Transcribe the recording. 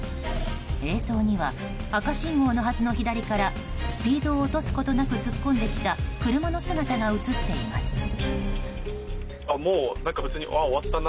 映像には、赤信号のはずの左からスピードを落とすことなく突っ込んできた車の姿が映っています。